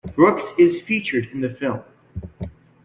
Brooks is featured in the film.